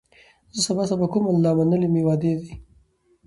زه سبا سبا کومه لا منلي مي وعدې دي